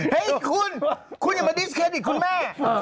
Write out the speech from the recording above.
ให้คุณคุณอย่ามาดิสเครดิตคุณแม่